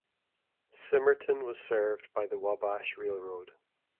Symerton was served by the Wabash Railroad.